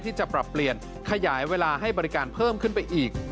ที่จะปรับเปลี่ยนขยายเวลาให้บริการเพิ่มขึ้นไปอีก